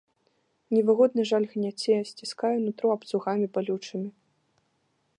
Невыгодны жаль гняце, сціскае нутро абцугамі балючымі.